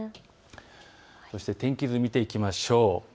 そして天気図を見ていきましょう。